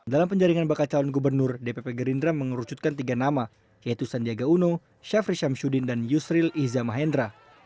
dalam penjaringan bakal calon gubernur dpp gerindra mengerucutkan tiga nama yaitu sandiaga uno syafri syamsuddin dan yusril iza mahendra